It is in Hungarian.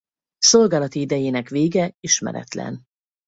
Szolgálati idejének vége ismeretlen.